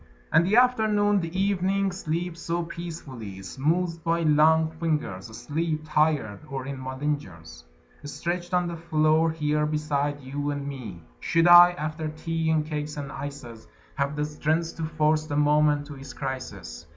..... And the afternoon, the evening, sleeps so peacefully! Smoothed by long fingers, Asleep .. tired .. or it malingers, Stretched on the floor, here beside you and me. Should I, after tea and cakes and ices, Have the strength to force the moment to its crisis?